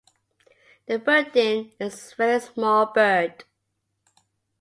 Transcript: The verdin is a very small bird.